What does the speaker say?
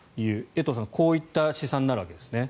江藤さん、こういった試算になるわけですね。